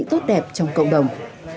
tốt đẹp trong cộng đồng